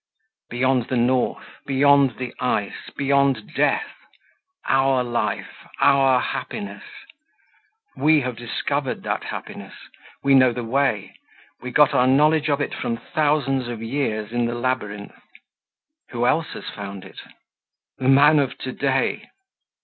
Beyond the North, beyond the ice, beyond death our life, our happiness.... We have discovered that happiness; we know the way; we got our knowledge of it from thousands of years in the labyrinth. Who else has found it? The man of today?